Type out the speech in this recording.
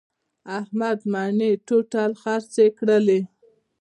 احمد مڼې ټوټل خرڅې کړلې.